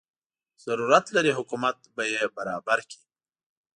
ضرورت لري حکومت به یې برابر کړي.